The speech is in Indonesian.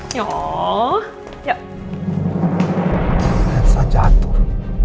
nih saya jatuh